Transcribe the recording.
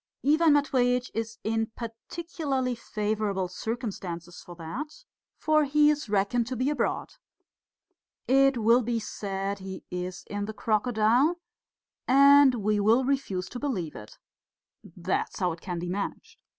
Ivan Matveitch is in particularly favourable circumstances for that, for he is reckoned to be abroad. It will be said he is in the crocodile, and we will refuse to believe it. That is how it can be managed.